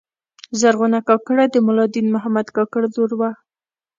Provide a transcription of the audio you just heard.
زرغونه کاکړه د ملا دین محمد کاکړ لور وه.